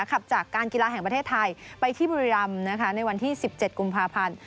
ขับจากการกีฬาแห่งประเทศไทยไปที่บุรีรำในวันที่๑๗กุมภาพันธ์